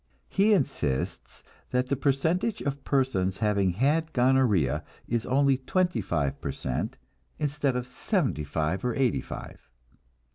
He insists that the percentage of persons having had gonorrhea is only twenty five per cent, instead of seventy five or eighty five.